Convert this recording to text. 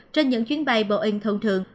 trên những chuyến bay boeing thường thường